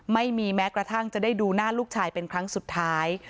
แม้กระทั่งจะได้ดูหน้าลูกชายเป็นครั้งสุดท้าย